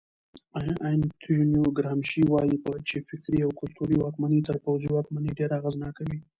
انتونیو ګرامشي وایي چې فکري او کلتوري واکمني تر پوځي واکمنۍ ډېره اغېزناکه وي.